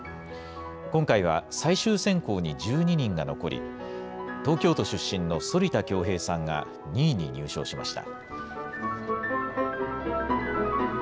今回は最終選考に１２人が残り東京都出身の反田恭平さんが２位に入賞しました。